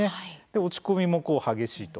落ち込みも激しいと。